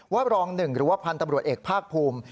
รองหนึ่งหรือว่าพันธุ์ตำรวจเอกภาคภูมิ